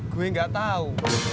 gue gak tau